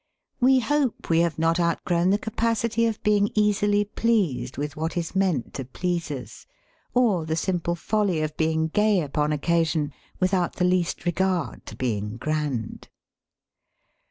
We hope we have not outgrown the capacity of being easily pleased with what is meant to please us, or the simple folly of being gay upon occasion without the least regard to being grand.